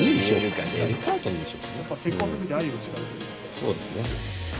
そうですね。